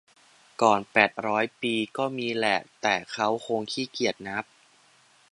ก่อนแปดร้อยปีก็มีแหละ แต่เค้าคงขี้เกียจนับ